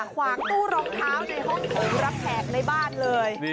ขวางตู้รองเท้าในห้องถุงรับแขกในบ้านเลย